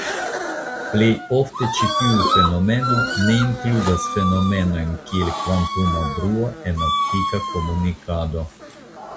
Plej ofte ĉi tiu fenomeno ne inkludas fenomenojn kiel kvantuma bruo en optika komunikado.